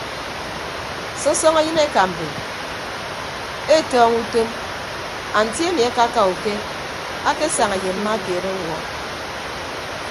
Sọsọñọ yịn eka mmi etọñọ utom anti ami akaaka uke akesaña ye mma keed ọwuọ.